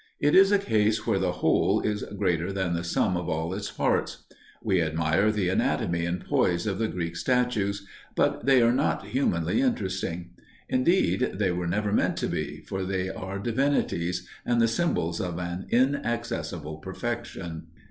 It is a case where the whole is greater than the sum of all its parts. We admire the anatomy and poise of the Greek statues, but they are not humanly interesting. Indeed, they were never meant to be, for they are divinities, and the symbols of an inaccessible perfection.